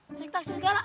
naik taksi segala